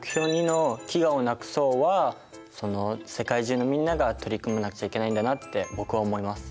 ２の「飢餓をなくそう」は世界中のみんなが取り組まなくちゃいけないんだなって僕は思います。